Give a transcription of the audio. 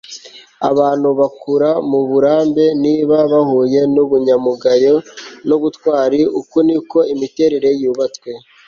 abantu bakura muburambe niba bahuye nubunyangamugayo nubutwari. uku ni ko imiterere yubatswe